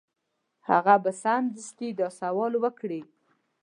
هغه به سمدستي دا سوال وکړي.